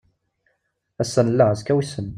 Ass-a nella, azekka wissen.